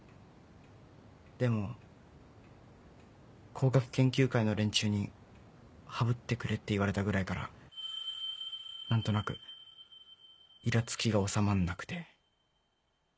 でも工学研究会の連中に「ハブってくれ」って言われたぐらいから何となくイラつきが収まんなくて。